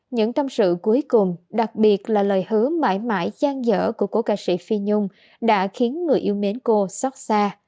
những tâm sự cuối cùng đặc biệt là lời hứa mãi mãi gian dở của cố ca sĩ phi nhung đã khiến người yêu mến cô xót xa